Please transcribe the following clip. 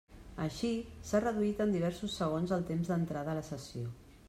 Així, s'ha reduït en diversos segons el temps d'entrada a la sessió.